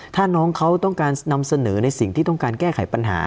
ถ้าน้องเขาต้องการนำเสนอในสิ่งที่ต้องการแก้ไขปัญหา